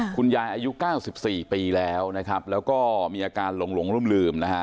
คุณยายอายุ๙๔ปีแล้วแล้วก็มีอาการหลงลุ่ม